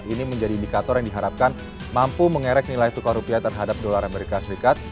ini menjadi indikator yang diharapkan mampu mengerek nilai tukar rupiah terhadap dolar amerika serikat